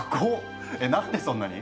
え何でそんなに？